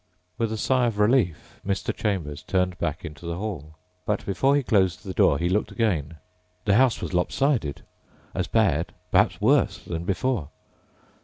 With a sigh of relief, Mr. Chambers turned back into the hall. But before he closed the door, he looked again. The house was lop sided ... as bad, perhaps worse than before!